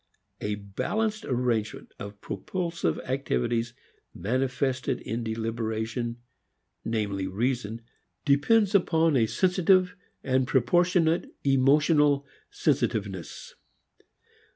A balanced arrangement of propulsive activities manifested in deliberation namely, reason depends upon a sensitive and proportionate emotional sensitiveness.